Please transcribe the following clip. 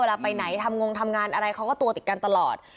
ไปไหนทำงงทำงานอะไรเขาก็ตัวติดกันตลอด